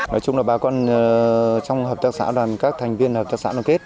nói chung là bà con trong hợp tác xã đoàn các thành viên hợp tác xã đoàn kết